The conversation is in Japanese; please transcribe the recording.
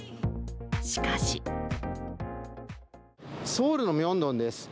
しかしソウルのミョンドンです。